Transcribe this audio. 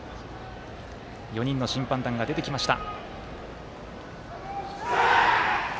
４人の審判団が出てきました。